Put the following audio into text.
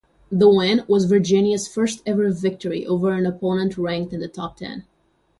The win was Virginia's first-ever victory over an opponent ranked in the top ten.